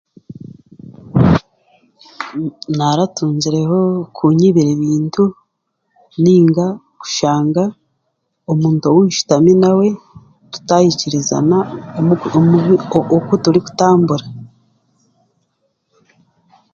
Naaratungireho kunyibira ebintu nainga kushanga omuntu ou nshutami nawe tutaikirizana omu obu omu oku birikutambura